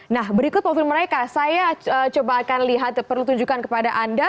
nah berikut profil mereka saya coba akan lihat perlu tunjukkan kepada anda